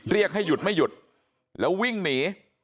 เรียกให้หยุดไม่หยุดแล้ววิ่งหนี